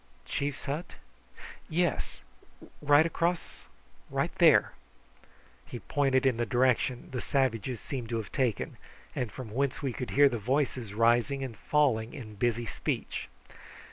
"Chief's hut? Yes: right across. There." He pointed in the direction the savages seemed to have taken, and from whence we could hear the voices rising and falling in busy speech.